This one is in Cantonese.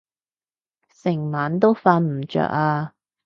成晚都瞓唔著啊